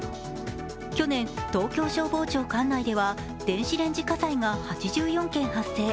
去年、東京消防庁管内では電子レンジ火災が８４件発生。